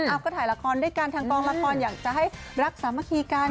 ก็ถ่ายละครด้วยกันทางกองละครอยากจะให้รักสามัคคีกัน